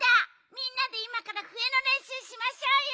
みんなでいまからふえのれんしゅうしましょうよ！